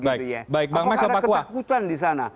apakah ada ketakutan di sana